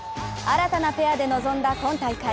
新たなペアで臨んだ今大会。